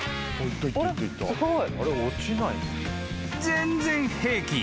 ［全然平気。